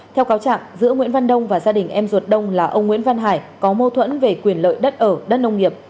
theo cáo trạng giữa nguyễn văn đông và gia đình em ruột đông là ông nguyễn văn hải có mâu thuẫn về quyền lợi đất ở đất nông nghiệp